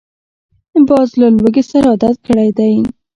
باز له لوږې سره عادت کړی دی